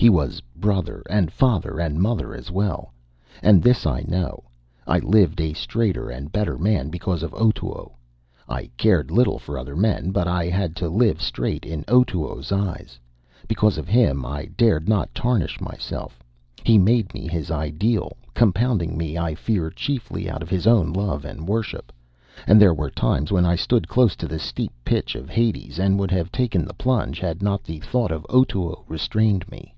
He was brother and father and mother as well. And this I know: I lived a straighter and better man because of Otoo. I cared little for other men, but I had to live straight in Otoo's eyes. Because of him I dared not tarnish myself. He made me his ideal, compounding me, I fear, chiefly out of his own love and worship and there were times when I stood close to the steep pitch of hell, and would have taken the plunge had not the thought of Otoo restrained me.